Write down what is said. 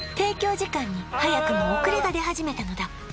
時間に早くも遅れが出始めたのだ